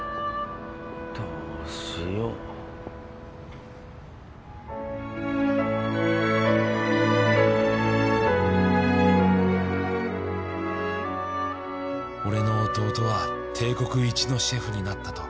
どうしよ「俺の弟は帝国一のシェフになったと」